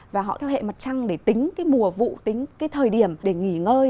và họ theo hệ mặt trăng để tính cái mùa vụ tính cái thời điểm để nghỉ ngơi